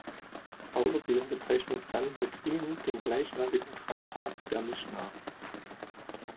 Außerdem bezeichnet "Sanhedrin" den gleichnamigen Traktat der Mischna.